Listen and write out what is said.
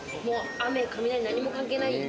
雨、雷、何も関係ない。